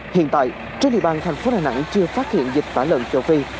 hiện tại trên địa bàn thành phố đà nẵng chưa phát hiện dịch tả lợn châu phi